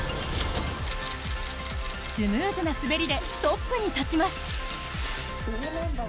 スムーズな滑りでトップに立ちます。